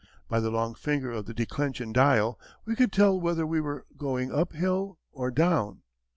By the long finger of the declension dial we could tell whether we were going up hill or down.